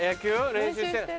練習してる。